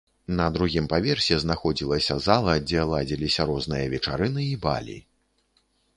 На другім паверсе знаходзілася зала, дзе ладзіліся розныя вечарыны і балі.